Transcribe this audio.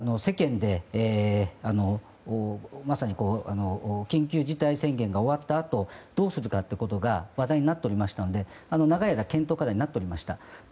当然、ずっとお酒は世間で、まさに緊急事態宣言が終わったあとどうするかってことが話題になっておりましたので長い間検討課題になっておりました。